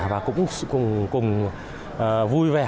và cũng cùng vui vẻ